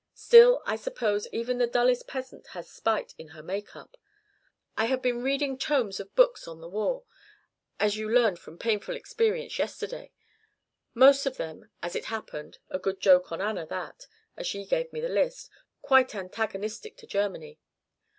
Still, I suppose even the dullest peasant has spite in her make up. I have been reading tomes of books on the war, as you learned from painful experience yesterday; most of them, as it happened a good joke on Anna that, as she gave me the list quite antagonistic to Germany.